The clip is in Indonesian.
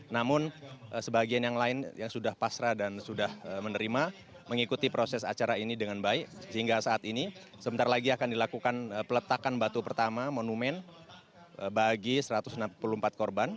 namun sebagian yang lain yang sudah pasrah dan sudah menerima mengikuti proses acara ini dengan baik sehingga saat ini sebentar lagi akan dilakukan peletakan batu pertama monumen bagi satu ratus enam puluh empat korban